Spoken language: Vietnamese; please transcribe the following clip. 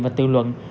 và tự luận